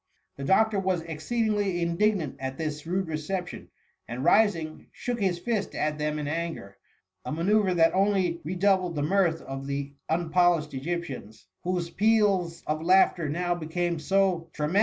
The doctor was exceedingly indignant at this rude reception, and rising, shook his fist at them in anger; a manoeuvre that only redou bled the mirth of the unpolished Egyptians, whose p^als of laughter now became so tremen PBV THE MUMMY.